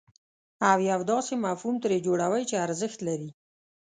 او یو داسې مفهوم ترې جوړوئ چې ارزښت لري.